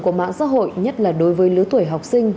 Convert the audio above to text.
của mạng xã hội nhất là đối với lứa tuổi học sinh